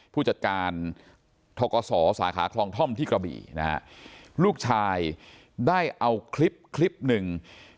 ผู้จัดการทกศสาขาคลองท่อมที่กระบี่นะฮะลูกชายได้เอาคลิปคลิปหนึ่ง